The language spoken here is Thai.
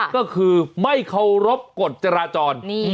ก็คือไม่เคารพกฎจราจร